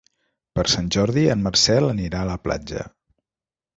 Per Sant Jordi en Marcel anirà a la platja.